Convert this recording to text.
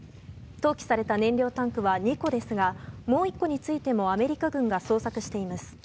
投棄された燃料タンクは２個ですがもう１個についてもアメリカ軍が捜索しています。